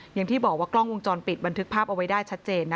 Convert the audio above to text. อย่างที่บอกว่ากล้องวงจรปิดบันทึกภาพเอาไว้ได้ชัดเจน